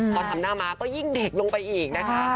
พอทำหน้าม้าก็ยิ่งเด็กลงไปอีกนะคะ